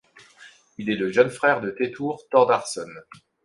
Il est le jeune frère de Teitur Thórdarson.